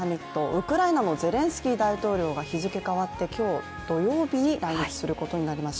ウクライナのゼレンスキー大統領が日付変わって、今日土曜日に来日することになりました。